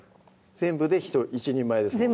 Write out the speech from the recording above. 全部で１人前ですね